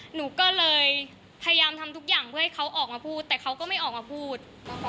หนูก็เลยพยายามทำทุกอย่างเพื่อให้เขาออกมาพูดแต่เขาก็ไม่ออกมาพูด